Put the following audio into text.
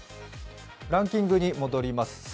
ランキングに戻ります。